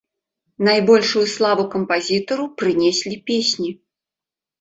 Найбольшую славу кампазітару прынеслі песні.